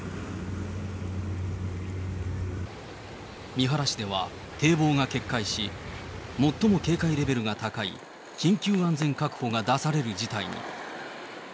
三原市では堤防が決壊し、最も警戒レベルが高い緊急安全確保が出される事態に。